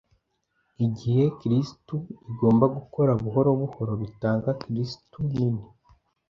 igihe kristu igomba gukora buhoro bitanga kristu nini